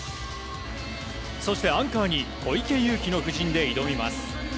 そしてアンカーに小池祐貴の布陣で挑みます。